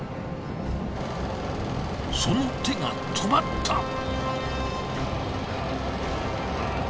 その手が止まった。